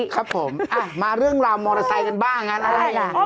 ครับผมมาเรื่องราวมอเตอร์ไซค์กันบ้างงานอะไรล่ะ